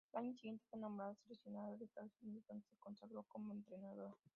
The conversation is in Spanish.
Al año siguiente fue nombrada seleccionadora de Estados Unidos, donde se consagró como entrenadora.